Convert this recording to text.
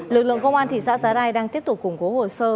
lực lượng công an thị xã giá rai đang tiếp tục củng cố hồ sơ